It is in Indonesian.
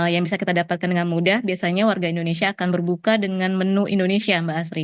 yang bisa kita dapatkan dengan mudah biasanya warga indonesia akan berbuka dengan menu indonesia mbak asri